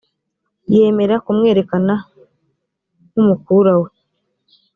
yemera kumwerekana nkumukura we .